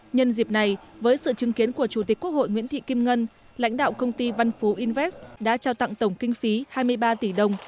nhân dịp này với sự chứng kiến của chủ tịch quốc hội nguyễn thị kim ngân lãnh đạo công ty văn phú invest đã trao tặng tổng kinh phí hai mươi ba tỷ đồng